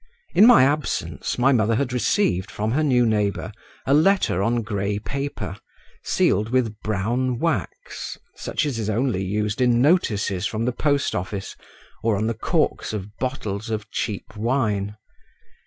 In my absence my mother had received from her new neighbour a letter on grey paper, sealed with brown wax, such as is only used in notices from the post office or on the corks of bottles of cheap wine.